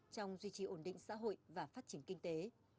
trong duy trì ổn định xã hội và phát triển kinh tế